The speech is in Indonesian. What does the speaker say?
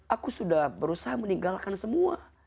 aku sudah berusaha meninggalkan semua